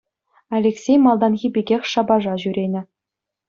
Алексей малтанхи пекех шапаша ҫӳренӗ.